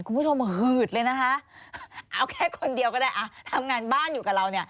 คุณผู้ชมหืดเลยนะคะเอาแค่คนเดียวก็ได้อ่ะทำงานบ้านอยู่กับเราเนี่ย